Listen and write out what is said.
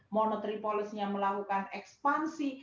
monetary policy nya melakukan ekspansi